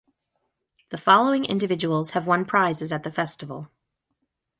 The following individuals have won prizes at the festival.